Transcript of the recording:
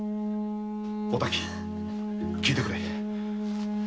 おたき聞いてくれ。